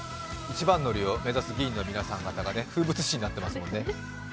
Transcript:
一番乗りを目指す議員の皆さんが風物詩になってますもんね。